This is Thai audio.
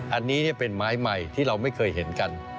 อันนี้เป็นไม้ใหม่ที่เราไม่เคยเห็นกัน